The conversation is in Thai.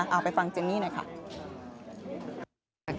เอาไปฟังเจนี่นะครับ